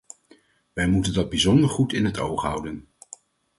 Wij moeten dat bijzonder goed in het oog houden.